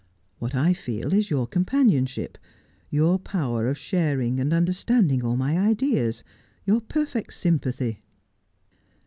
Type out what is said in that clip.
What I feel is your companionship, your power of sharing and understanding all my ideas, your perfect sympathy.'